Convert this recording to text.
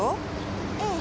ええ。